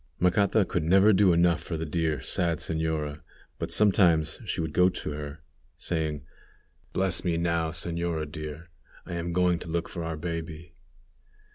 Macata could never do enough for the dear, sad señora, but sometimes she would go to her, saying, "Bless me now, señora dear; I am going to look for our baby."